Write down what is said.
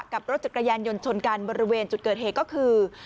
กับรถจักรยานยนต์ชนกันบริเวณจุดเกิดเหตุก็คือ